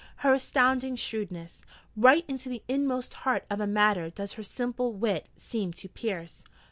Her astounding shrewdness! Right into the inmost heart of a matter does her simple wit seem to pierce!